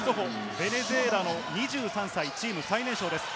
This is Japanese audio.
ベネズエラの２３歳、チーム最年少です。